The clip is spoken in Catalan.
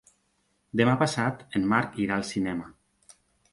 Demà passat en Marc irà al cinema.